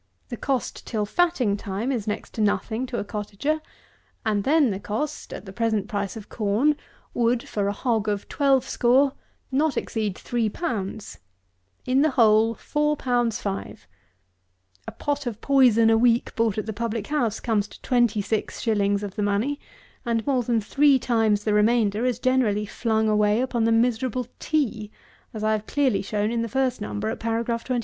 The cost till fatting time is next to nothing to a Cottager; and then the cost, at the present price of corn, would, for a hog of twelve score, not exceed three pounds; in the whole four pounds five; a pot of poison a week bought at the public house comes to twenty six shillings of the money; and more than three times the remainder is generally flung away upon the miserable tea, as I have clearly shown in the First Number, at Paragraph 24.